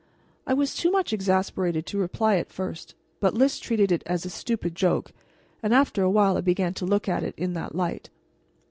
I was too much exasperated to reply at first, but Lys treated it as a stupid joke, and after a while I began to look at it in that light.